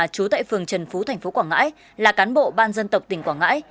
chú tại phường trần phú tp quảng ngãi là cán bộ ban dân tộc tỉnh quảng ngãi